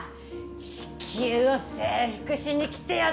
地球を征服しにきてやったぜ！